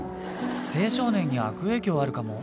青少年に悪影響あるかも。